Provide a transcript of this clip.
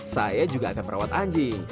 saya juga akan merawat anjing